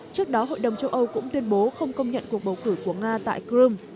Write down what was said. trước đó hội đồng châu âu cũng tuyên bố không công nhận cuộc bầu cử của nga tại crimea